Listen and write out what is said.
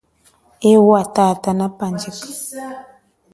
Ewa tata na pandjika.